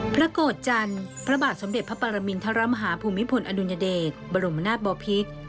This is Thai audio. พระโกรธจันทร์พระบาทสมเด็จพระปรมินทรมาฮาภูมิพลอดุลยเดชบรมนาศบอพิษ